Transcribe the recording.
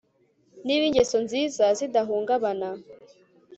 niba ingeso nziza zidahungabana